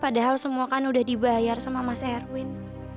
padahal semua kan udah dibayar sama mas erwin